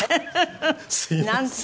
なんて